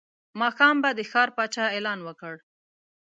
ماښام به د ښار پاچا اعلان وکړ.